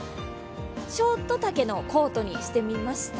ショート丈のコートにしてみました。